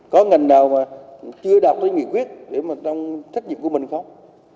có ngành nào mà chưa đặt ra nghị quyết để mà trong thách nhiệm của mình không